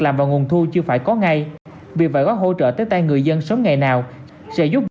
làm vào nguồn thu chưa phải có ngay việc phải có hỗ trợ tới tay người dân sớm ngày nào sẽ giúp